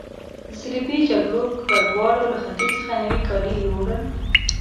د صلیبي جګړو ګډوالو له ختیځ څخه نوي کالي یوړل.